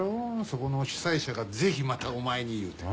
そこの主催者が「ぜひまたお前に」いうて。